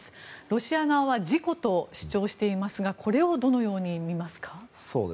ロシア側は事故と主張していますがこれをどのように見ますか？